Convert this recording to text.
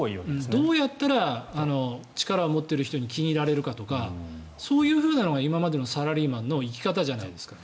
どうやったら力を持っている人に気に入られるかとかそういうふうなのが今までのサラリーマンの生き方じゃないですか。